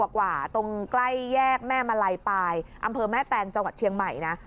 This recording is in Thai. กว่าตรงใกล้แยกแม่มาลัยปลายอำเภอแม่แตงจังหวัดเชียงใหม่นะ